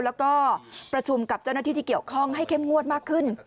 แล้วก็ประชุมกับเจ้าหน้าที่ที่เกี่ยวข้องให้เข้มงวดมากขึ้น